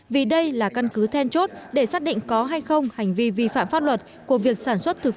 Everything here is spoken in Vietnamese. vì đây là căn cứ then chốt để xác định có hay không hành vi vi phạm pháp luật